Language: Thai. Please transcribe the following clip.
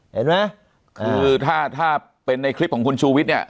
เห็นไหมคือถ้าถ้าเป็นในคลิปของคุณชูวิทย์เนี่ย